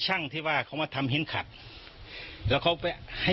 ตรงนั้นมันเป็นอะไรครับหรือว่า